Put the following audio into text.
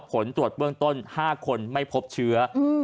ผลตรวจเบื้องต้น๕คนไม่พบเชื้อ